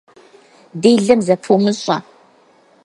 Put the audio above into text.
Делэм зэпумыщӀэ.